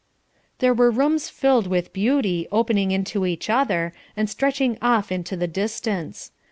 There were rooms filled with beauty, opening into each other, and stretching off into the distance.